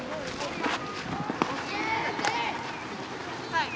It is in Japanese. はい。